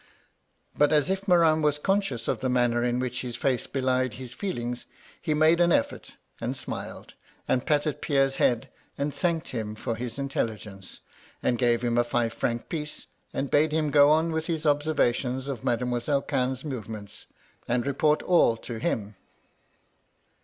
But as if Morin was conscious of the manner in which his face belied his feelings, he made an efibrt, and smiled, and patted Rerre's head, and thanked him fo^ his intelligence, and gave him a five franc piece, and bade him go on with his observations of Mademoiselle Cannes' movements, and report all to him.